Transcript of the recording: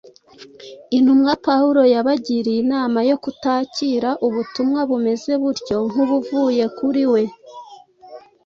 Intumwa Pawulo yabagiriye inama yo kutakira ubutumwa bumeze butyo nk’ubuvuye kuri we.